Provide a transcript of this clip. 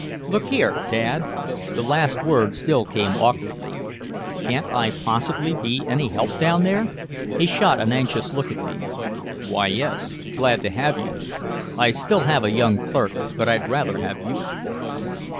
"Look here Dad." The last word still came awkwardly. "Can't I possibly be any help down there?" He shot an anxious look at me: "Why, yes. Glad to have you. I still have a young clerk, but I'd rather have you."